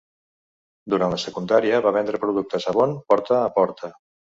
Durant la secundària, va vendre productes Avon porta a porta.